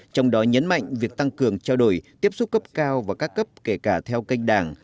trong đó nhấn mạnh việc tăng cường trao đổi tiếp xúc cấp cao và các cấp kể cả theo kênh đảng